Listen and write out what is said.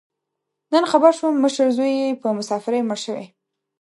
نن خبر شوم، مشر زوی یې په مسافرۍ مړ شوی.